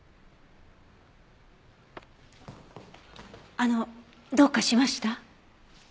あのどうかしました？